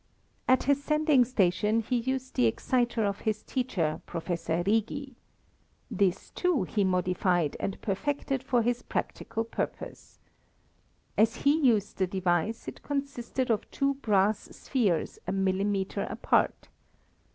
At his sending station he used the exciter of his teacher, Professor Righi. This, too, he modified and perfected for his practical purpose. As he used the device it consisted of two brass spheres a millimeter apart.